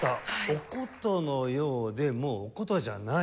お箏のようでもうお箏じゃない。